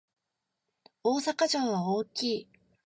大阪城は大きい